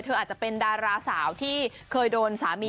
อาจจะเป็นดาราสาวที่เคยโดนสามี